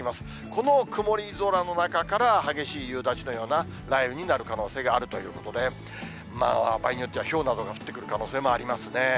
この曇り空の中から激しい夕立のような雷雨になる可能性があるということで、場合によってはひょうなども降ってくる可能性もありますね。